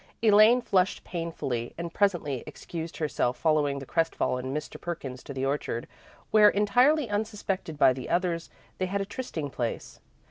Elaine flushed painfully, and presently excused herself, following the crestfallen Mr. Perkins to the orchard, where, entirely unsuspected by the others, they had a trysting place.